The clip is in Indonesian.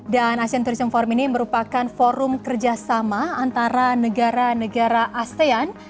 dan asean tourism forum ini merupakan forum kerjasama antara negara negara asean